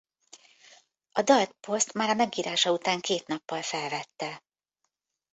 A dalt Post már a megírása után két nappal felvette.